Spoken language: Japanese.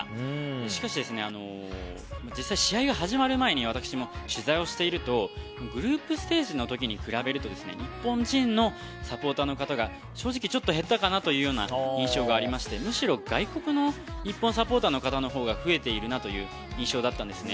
しかし実際、試合が始まる前に私も取材をしているとグループステージの時と比べると日本人のサポーターの方が正直、ちょっと減ったかなという印象がありまして、むしろ外国の日本サポーターの方が増えているなという印象だったんですね。